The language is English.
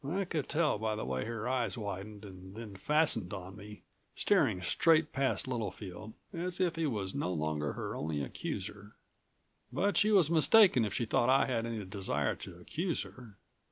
I could tell by the way her eyes widened and then fastened on me, staring straight past Littlefield as if he was no longer her only accuser. But she was mistaken if she thought I had any desire to accuse her.